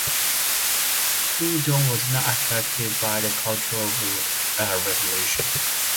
Fu Dong was not affected by the Cultural Revolution.